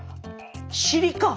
尻か！